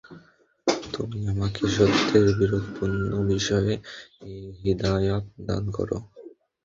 তুমি আমাকে সত্যের বিরোধপূর্ণ বিষয়ে হিদায়ত দান কর।